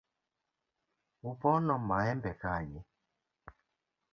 Upono maembe kanye.